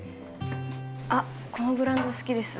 あっこのブランド好きです。